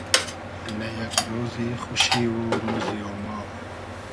نۂ یئگ رۉزی خوشی و رۉزی اۉماغ